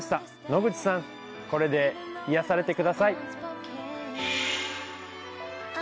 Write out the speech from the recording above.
野口さんこれで癒やされてください。